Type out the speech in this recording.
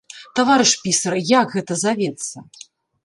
Таварыш пісар, як гэта завецца?